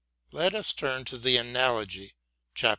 Let us turn to the " Analogy," chap.